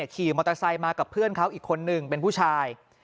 ขี่มอเตอร์ไซค์มากับเพื่อนเขาอีกคนนึงเป็นผู้ชาย